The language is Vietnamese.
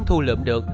thu lượm được